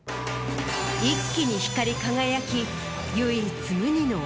一気に光り輝き。